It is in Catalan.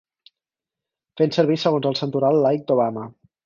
Fent servir segons el santoral laic d'Obama.